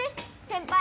先輩。